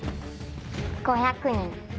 ５００人。